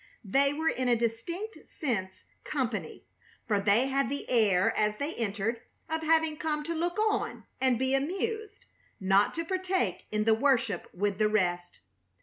They were in a distinct sense "company," for they had the air, as they entered, of having come to look on and be amused, not to partake in the worship with the rest.